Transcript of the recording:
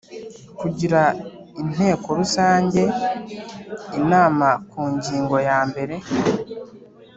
Kugira Inteko Rusange inama ku ngingo yambere